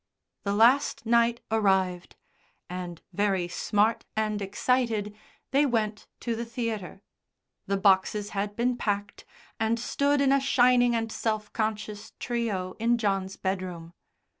The last night arrived, and, very smart and excited, they went to the theatre. The boxes had been packed, and stood in a shining and self conscious trio in John's bedroom.